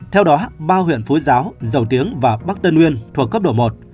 theo đó ba huyện phú giáo dầu tiếng và bắc tân uyên thuộc cấp độ một